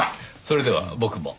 それでは僕も。